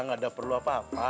nggak ada perlu apa apa